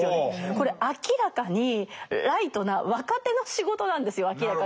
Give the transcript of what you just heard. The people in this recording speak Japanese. これ明らかにライトな若手の仕事なんですよ明らかに。